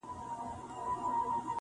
قدردانو کي مي ځان قدردان وینم-